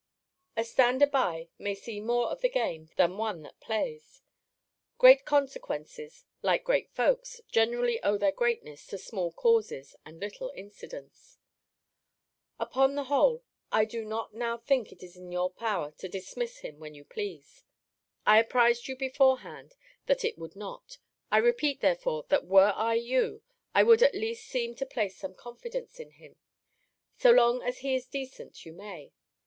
A stander by may see more of the game than one that plays. Great consequences, like great folks, generally owe their greatness to small causes, and little incidents. Upon the whole, I do not now think it is in your power to dismiss him when you please. I apprized you beforehand, that it would not. I repeat, therefore, that were I you, I would at least seem to place some confidence in him. So long as he is decent, you may.